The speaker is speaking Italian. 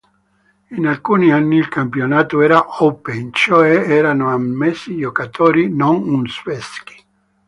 In alcuni anni il campionato era "open", cioè erano ammessi giocatori non uzbeki.